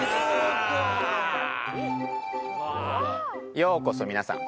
ようこそ皆さん。